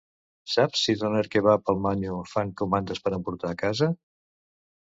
Saps si Doner Kebab el Maño fan comandes per emportar a casa?